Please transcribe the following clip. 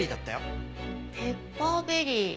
ペッパーベリー